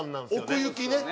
奥行きね。